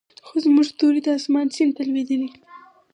خو زموږ ستوري د اسمان سیند ته لویدلې